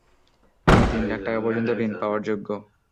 তুমি তিন লাখ টাকা পর্যন্ত ঋণ পাওয়ার যোগ্য।